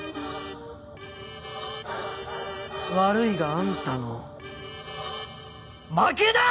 悪いがあんたの負けだ！！